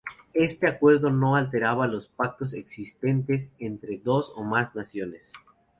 Este acuerdo no alteraba los pactos existentes entre dos o más naciones.